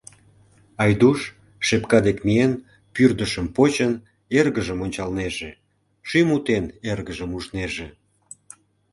Айдуш, шепка дек миен, пӱрдышым почын, эргыжым ончалнеже, шӱм утен эргыжым ужнеже.